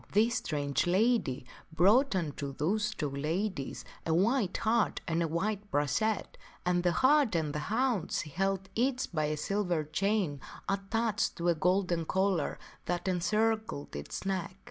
" This strange lady brought unto those two ladies a white hart and a white brachet, and the hart and the hound she held each by a silver chain attached to a golden collar that encircled its neck.